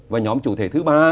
và nhóm chủ thể thứ ba